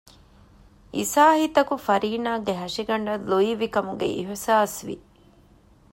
އިސާހިތަކު ފަރީނާގެ ހަށިގަނޑަށް ލުއިވިކަމުގެ އިޙްސާސްވި